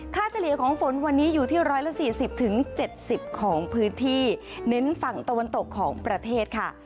เฉลี่ยของฝนวันนี้อยู่ที่๑๔๐๗๐ของพื้นที่เน้นฝั่งตะวันตกของประเทศค่ะ